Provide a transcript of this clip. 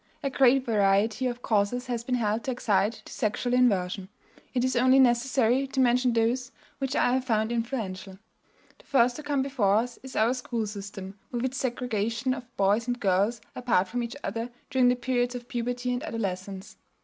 A great variety of causes has been held to excite to sexual inversion. It is only necessary to mention those which I have found influential. The first to come before us is our school system, with its segregation of boys and girls apart from each other during the periods of puberty and adolescence.